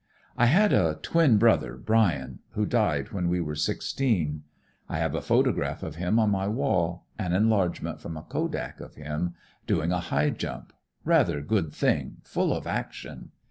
"I had a twin brother, Brian, who died when we were sixteen. I have a photograph of him on my wall, an enlargement from a kodak of him, doing a high jump, rather good thing, full of action.